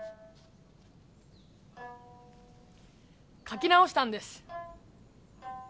描き直したんです。